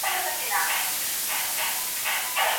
غيبت د ټولني د نفاق سبب ګرځي.